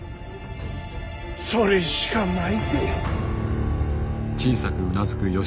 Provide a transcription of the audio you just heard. それしかないて。